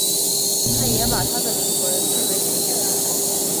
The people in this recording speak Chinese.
他也把她的灵魂据为己有。